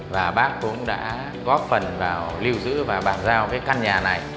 và bác cũng đã góp phần vào lưu giữ và bàn giao cái căn nhà này